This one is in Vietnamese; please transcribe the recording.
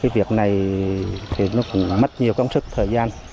việc này cũng mất nhiều công sức thời gian